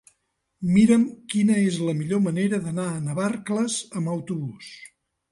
Mira'm quina és la millor manera d'anar a Navarcles amb autobús.